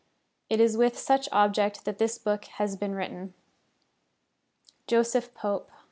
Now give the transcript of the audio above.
It is with such object that this little book has been written. JOSEPH POPE.